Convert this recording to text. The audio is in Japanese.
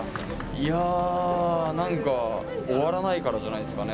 いやあ何か終わらないからじゃないっすかね